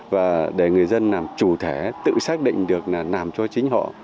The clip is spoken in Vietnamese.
và để người dân làm chủ thể tự xác định được là làm cho chính họ